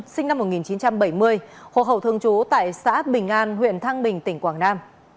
sinh năm một nghìn chín trăm bảy mươi hồ hậu thường trú tại xã bình an huyện thăng bình tỉnh quảng nam